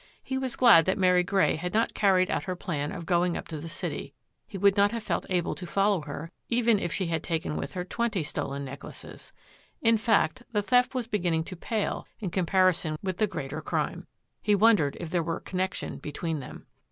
He was glad that Mary Grey had not carried out her plan of going up to the city. He would not have felt able to follow her even had she taken with her twenty stolen necklaces. In fact, the theft was beginning to pale in comparison with the greater crime. He wondered if there were connection between them.